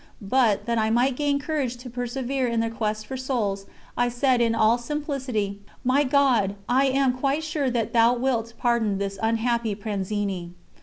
But, that I might gain courage to persevere in the quest for souls, I said in all simplicity: "My God, I am quite sure that Thou wilt pardon this unhappy Pranzini.